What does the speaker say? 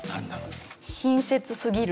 「親切すぎる」。